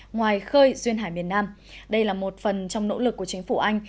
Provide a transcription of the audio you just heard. ngoài khơi duyên hải miền nam đây là một phần trong nỗ lực của chính phủ anh